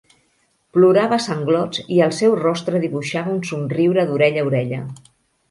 Plorava a sanglots i el seu rostre dibuixava un somriure d'orella a orella.